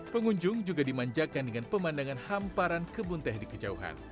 pengunjung juga dimanjakan dengan pemandangan hamparan kebun teh di kejauhan